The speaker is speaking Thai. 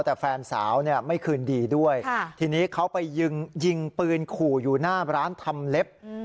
แต่แฟนสาวเนี่ยไม่คืนดีด้วยทีนี้เขาไปยิงปืนขู่อยู่หน้าร้านทำเล็บ